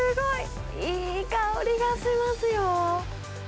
いい香りがしますよ。